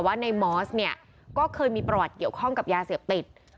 ว่าในมอสเนี่ยก็เคยมีประวัติเกี่ยวข้องกับยาเสพติด